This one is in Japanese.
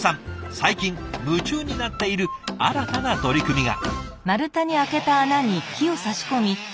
最近夢中になっている新たな取り組みが。